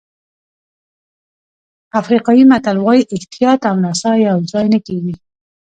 افریقایي متل وایي احتیاط او نڅا یوځای نه کېږي.